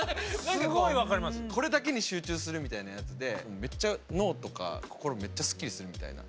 これだけに集中するみたいなやつでめっちゃ脳とか心めっちゃスッキリするみたいな。